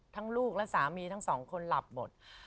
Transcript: ลูกและสามีทั้งสองคนหลับหมด